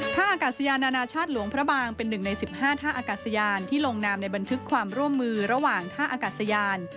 ท่าอากาศยานานาชาติหลวงพระบางเป็น๑ใน๑๕ท่าอากาศยานที่ลงนามในบันทึกความร่วมมือระหว่างท่าอากาศยาน